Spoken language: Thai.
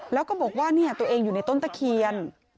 แล้วก็บอกว่าตัวเองอยู่ในต้นตะเคียน